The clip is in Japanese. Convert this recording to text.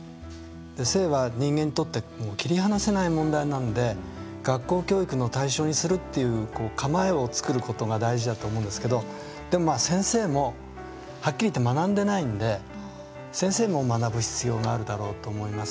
性は人間にとって切り離せない問題なので学校教育の対象にするっていう構えを作ることが大事だと思うんですけどでも、先生もはっきり言って学んでないんで、先生も学ぶ必要があるだろうと思います。